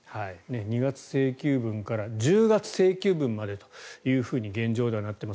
２月請求分から１０月請求分までと現状ではなっています。